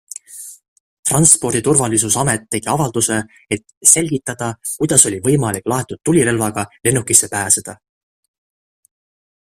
Transporditurvalisusamet tegi avalduse, et selgitada, kuidas oli võimalik laetud tulirelvaga lennukisse pääseda.